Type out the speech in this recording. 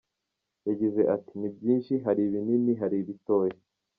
Yagize ati “Ni byinshi hari ibinini, hari ibitoya.